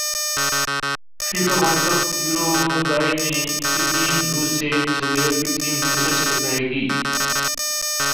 FIFA world cup Uruguay کی team روس سے سعودی عرب کی ٹیم مصر سے ٹکرائے گی